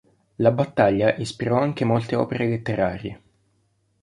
La battaglia ispirò anche molte opere letterarie.